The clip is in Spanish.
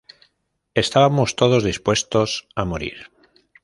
Estábamos todos dispuestos a morir.